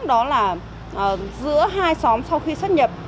đó là giữa hai xóm sau khi xuất nhập